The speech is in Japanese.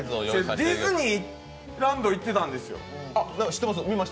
ディズニーランド行ってたんですよ。